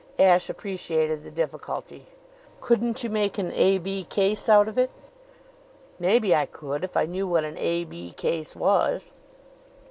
Ashe appreciated the difficulty. "Couldn't you make an A B case out of it?" "Maybe I could if I knew what an A B case was."